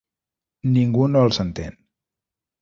Ningú no els entén.